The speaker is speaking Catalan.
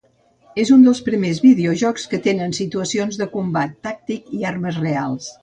És un dels primers videojocs que tenen situacions de combat tàctic i armes reals.